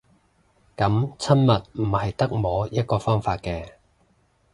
噉親密唔係得摸一個方法嘅